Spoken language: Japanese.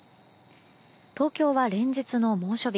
東京は連日の猛暑日。